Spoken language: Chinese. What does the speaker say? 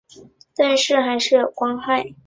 但是还是有光害